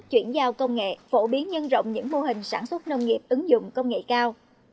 chuyển giao công nghệ phổ biến nhân rộng những mô hình sản xuất nông nghiệp ứng dụng công nghệ cao